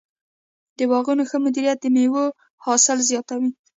د باغونو ښه مدیریت د مېوو حاصل زیاتوي.